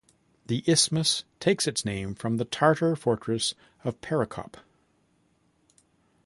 The isthmus takes its name from the Tatar fortress of Perekop.